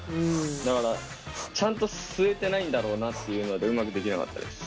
だからちゃんと吸えてないんだろうなっていうのでうまくできなかったです。